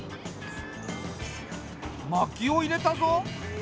まきを入れたぞ。